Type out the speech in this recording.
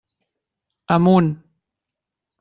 Amunt.